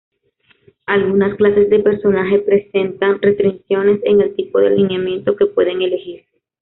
Algunas clases de personaje presentan restricciones en el tipo de alineamiento que pueden elegir.